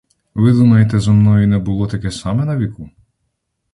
Ви думаєте, зо мною не було таке саме на віку?